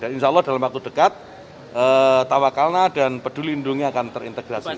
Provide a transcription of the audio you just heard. dan insya allah dalam waktu dekat tawakalna dan peduli indungnya akan terintegrasi